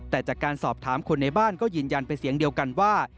แต่จากการสอบถามคนในบ้านก็ยืนยันเป็นเสียงเดียวกันว่า